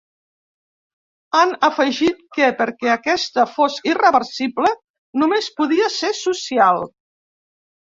Han afegit que, perquè aquesta fos ‘irreversible’, només podia ser ‘social’.